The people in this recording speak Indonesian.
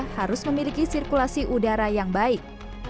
harus memiliki sirkulasi udara yang baik